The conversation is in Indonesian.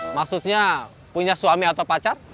maksudnya punya suami atau pacar